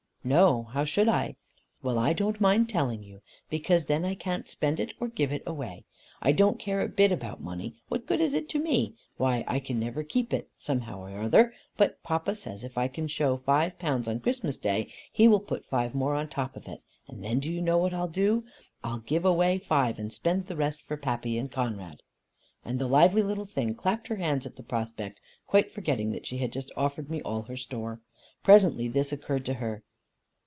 "No. How should I?" "Well, I don't mind telling you. Because then I can't spend it, or give it away. I don't care a bit about money. What good is it to me? Why, I can never keep it, somehow or other. But papa says if I can show five pounds on Christmas day, he will put five more on the top of it, and then do you know what I'll do? I'll give away five, and spend the rest for Pappy and Conrad." And the lively little thing clapped her hands at the prospect, quite forgetting that she had just offered me all her store. Presently this occurred to her.